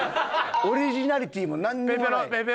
オリジナリティーもなんにもない。